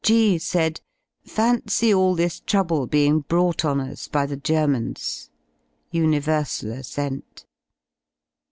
G said: "Fancy all this trouble being brought on us by the Germans." Universal assent.